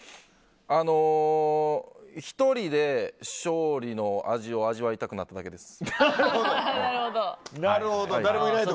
あの１人で勝利の味を味わいたくなっただけです。